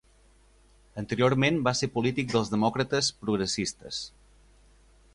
Anteriorment va ser polític dels Demòcrates Progressistes.